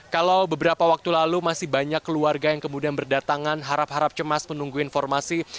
kalau beberapa waktu lalu masih banyak keluarga yang kemudian berdatangan harap harap cemas menunggu informasi